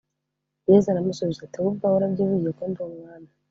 yezu aramusubiza ati wowe ubwawe urabyivugiye ko ndi umwami